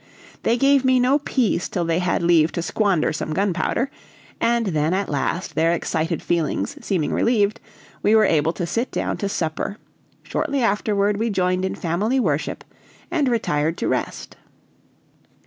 They gave me no peace till they had leave to squander some gunpowder, and then at last their excited feelings seeming relieved, we were able to sit down to supper; shortly afterward we joined in family worship and retired to rest.